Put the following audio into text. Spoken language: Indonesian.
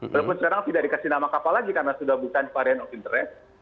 walaupun sekarang tidak dikasih nama kapal lagi karena sudah bukan varian of interest